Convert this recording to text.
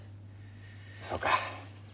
そうか。